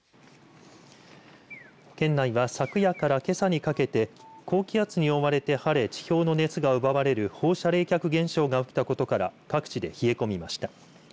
県内は、昨夜からけさにかけて高気圧に覆われて晴れ地表の熱が奪われる放射冷却現象が起きたことから各地で冷え込みました。